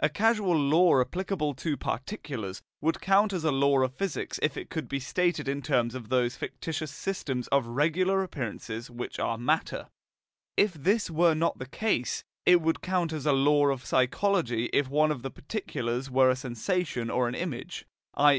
A causal law applicable to particulars would count as a law of physics if it could be stated in terms of those fictitious systems of regular appearances which are matter; if this were not the case, it would count as a law of psychology if one of the particulars were a sensation or an image, i.e.